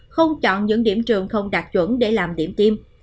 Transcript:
không chọn những điểm trường không đạt chuẩn để làm điểm tiêm